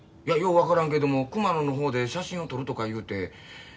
いやよう分からんけども熊野の方で写真を撮るとか言うて。